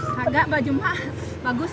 kagak baju mak bagus